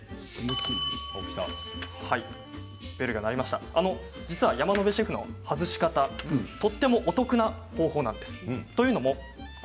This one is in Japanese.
ベルの音実は山野辺シェフの外し方とってもお得な方法なんです。